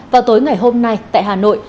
vào tối ngày hôm nay tại hà nội